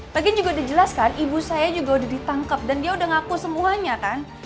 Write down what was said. lagi juga udah jelas kan ibu saya juga udah ditangkep dan dia udah ngaku semuanya kan